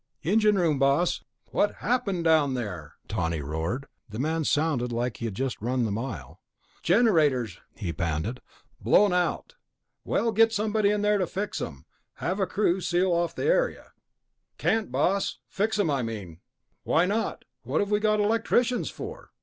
"Engine room, boss." "What happened down there?" Tawney roared. The man sounded like he'd just run the mile. "Generators," he panted. "Blown out." "Well, get somebody in there to fix them. Have a crew seal off the area...." "Can't, boss. Fix them, I mean." "Why not? What have we got electricians for?"